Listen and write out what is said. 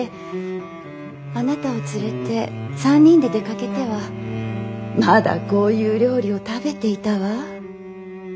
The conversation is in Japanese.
あなたを連れて３人で出かけてはまだこういう料理を食べていたわ。